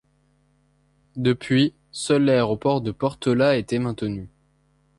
Depuis, seul l'aéroport de Portela a été maintenu.